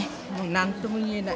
何とも言えない。